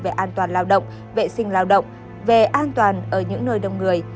về an toàn lao động vệ sinh lao động về an toàn ở những nơi đông người